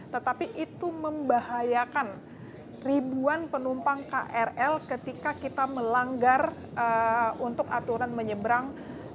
tetapi itu membahayakan ribuan penumpang krl ketika kita melanggar untuk aturan menyeberang